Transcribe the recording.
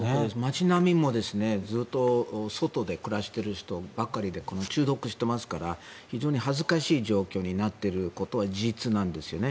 街並みもずっと外で暮らしている人ばっかりで中毒していますから非常に恥ずかしい状況になっていることは事実なんですよね。